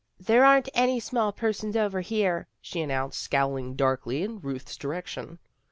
" There aren't any small persons over here," she announced, scowling darkly in Ruth's direc tion.